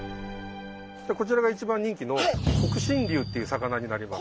こちらが一番人気の黒心龍っていう魚になります。